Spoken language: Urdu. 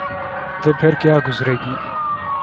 تو پھرکیا گزرے گی؟